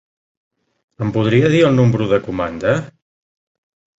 Em podria dir el número de comanda?